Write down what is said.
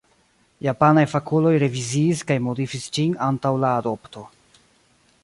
Japanaj fakuloj reviziis kaj modifis ĝin antaŭ la adopto.